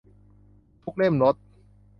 ทุกเล่มลด